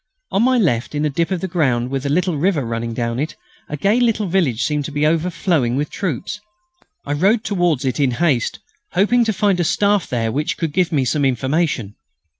On my left, in a dip of ground with a little river running down it, a gay little village seemed to be overflowing with troops. I rode towards it in haste, hoping to find a Staff there which could give me some information.